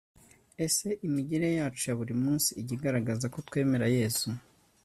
ese imigirire yacu ya buri munsi ijya igaragazako twemera yezu